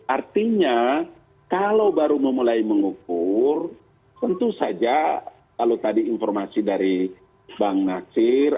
artinya kalau baru memulai mengukur tentu saja kalau tadi informasi dari bang nasir